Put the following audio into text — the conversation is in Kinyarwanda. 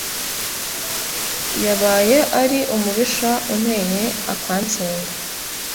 yabaye ari umubisha unteye akantsinda